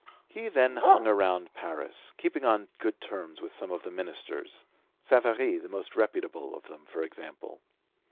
He then hung about Paris, keeping on good terms with some of the ministers Savary, not the most reputable of them, for example.